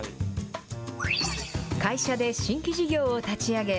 会社で新規事業を立ち上げ、